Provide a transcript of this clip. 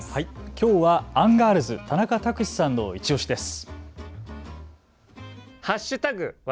きょうはアンガールズの田中卓志さんのいちオシです。